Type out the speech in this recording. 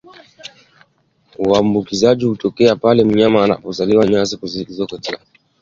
Uambukizaji hutokea pale mnyama anapomeza nyasi zilizo na bakteria wanaosababisha ugonjwa huu